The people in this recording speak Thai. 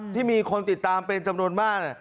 ที่มีคนติดตามเป็นจำนวนมาก